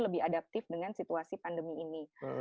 lebih adaptif dengan situasi pandemi ini